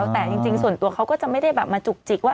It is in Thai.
แต่จริงส่วนตัวเขาก็จะไม่ได้แบบมาจุกจิกว่า